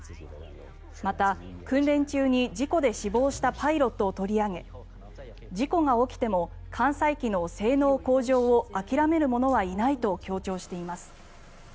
また、訓練中に事故で死亡したパイロットを取り上げ事故が起きても艦載機の性能向上を諦める者はいないと強調しています。